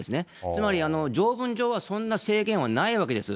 つまり条文上はそんな制限はないわけです。